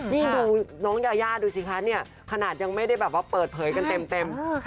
นี่ดูน้องยายาดูสิคะเนี่ยขนาดยังไม่ได้แบบว่าเปิดเผยกันเต็ม